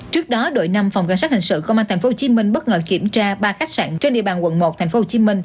trước đó đội năm phòng cảnh sát hình sự công an tp hcm bất ngờ kiểm tra ba khách sạn trên địa bàn quận một tp hcm